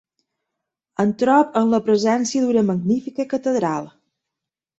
Em trobo amb la presència d'una magnífica catedral.